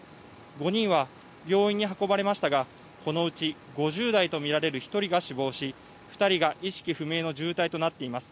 ５人は病院に運ばれましたが、このうち５０代と見られる１人が死亡し、２人が意識不明の重体となっています。